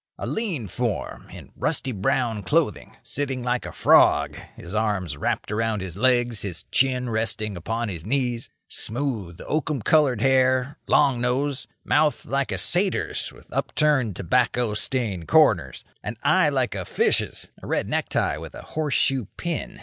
A lean form, in rusty brown clothing, sitting like a frog, his arms wrapped about his legs, his chin resting upon his knees. Smooth, oakum coloured hair; long nose; mouth like a satyr's, with upturned, tobacco stained corners. An eye like a fish's; a red necktie with a horseshoe pin.